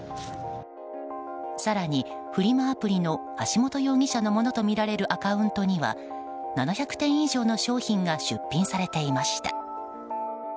更に、フリマアプリの橋本容疑者のものとみられるアカウントには７００点以上の商品が出品されていました。